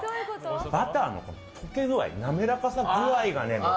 バターの溶け具合滑らかさ具合がね。